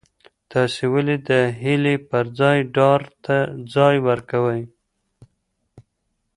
تاسي ولي د هیلې پر ځای ډار ته ځای ورکوئ؟